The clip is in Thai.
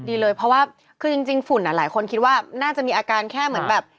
ดีเลยเพราะว่าคือจริงฝุ่นอ่ะหลายคนคิดว่าน่าจะมีอาการแค่เหมือนแบบ